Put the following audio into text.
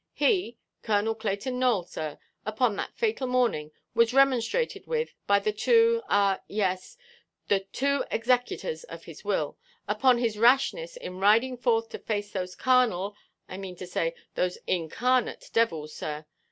He, Colonel Clayton Nowell, sir, upon that fatal morning, was remonstrated with by the two—ah, yes, the two executors of his will—upon his rashness in riding forth to face those carnal, I mean to say, those incarnate devils, sir.